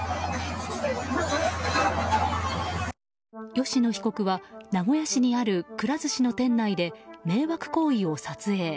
吉野被告は、名古屋市にあるくら寿司の店内で迷惑行為を撮影。